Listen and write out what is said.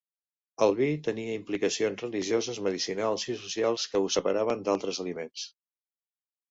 El vi tenia implicacions religioses, medicinals i socials que ho separaven d'altres aliments.